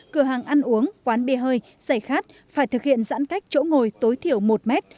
cửa hàng ăn uống quán bia hơi giày khát phải thực hiện giãn cách chỗ ngồi tối thiểu một mét